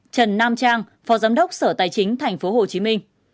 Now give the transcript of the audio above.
trần nam trang phó giám đốc sở tài chính tp hcm